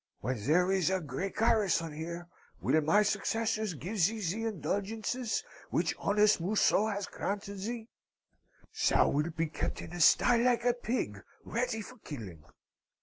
When there is a great garrison here, will my successors give thee the indulgences which honest Museau has granted thee? Thou wilt be kept in a sty like a pig ready for killing.